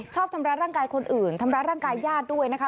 ชอบทำร้ายร่างกายคนอื่นทำร้ายร่างกายญาติด้วยนะคะ